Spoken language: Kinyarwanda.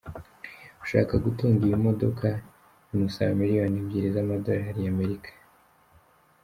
Ushaka gutunga iyi modoka bimusaba miliyoni ebyiri z’amadorari ya Amerika.